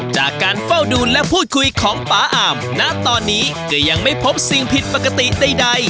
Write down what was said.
จากการเฝ้าดูและพูดคุยของป๊าอามณตอนนี้ก็ยังไม่พบสิ่งผิดปกติใด